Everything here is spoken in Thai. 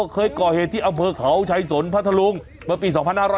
เคยก่อเหตุที่อำเภอเขาชายสนพัทธรุงเมื่อปี๒๕๕๙